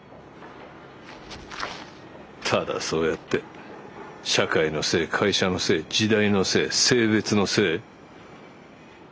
ただそうやって社会のせい会社のせい時代のせい性別のせい。